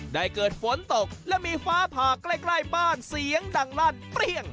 ได้เกิดฝนตกและมีฟ้าผ่าใกล้บ้านเสียงดังลั่นเปรี้ยง